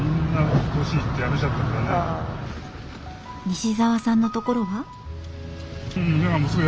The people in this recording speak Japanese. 西澤さんのところは？